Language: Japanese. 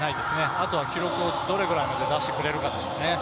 あとは記録をどれぐらいまで出してくれるかですね。